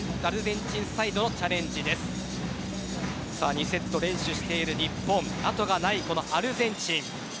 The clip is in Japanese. ２セット連取している日本後がないアルゼンチン。